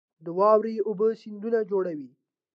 د واورې اوبه سیندونه جوړوي